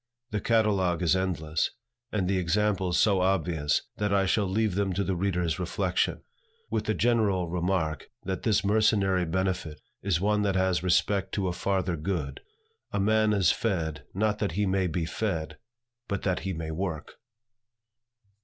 The catalogue is endless, and the examples so obvious, that I shall leave them to the reader's reflection, with the general remark, that this mercenary benefit is one which has respect to a farther good. A man is fed, not that he may be fed, but that he may work.